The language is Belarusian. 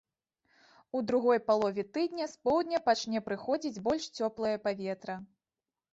У другой палове тыдня з поўдня пачне прыходзіць больш цёплае паветра.